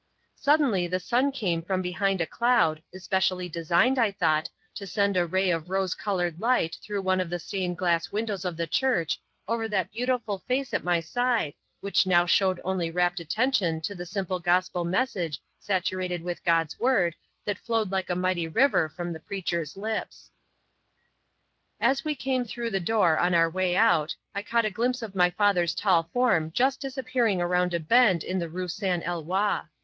Suddenly the sun came from behind a cloud, especially designed, I thought, to send a ray of rose colored light through one of the stained glass windows of the church over that beautiful face at my side which now showed only rapt attention to the simple gospel message saturated with God's Word that flowed like a mighty river from the preacher's lips. As we came through the door on our way out, I caught a glimpse of my father's tall form just disappearing around a bend in the Rue San Eloi.